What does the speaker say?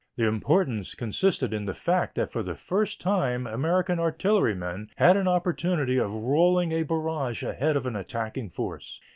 The importance consisted in the fact that for the first time American artillerymen had an opportunity of rolling a barrage ahead of an attacking force.